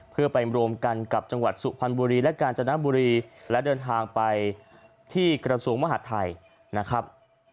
เพื่อไปรวมกันกับจังหวัดสุพรรณบุรีและกาญจนบุรีและเดินทางไปที่กระทรวงมหาดไทยนะครับ